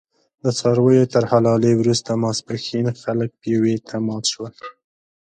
د څارویو تر حلالې وروسته ماسپښین خلک پېوې ته مات شول.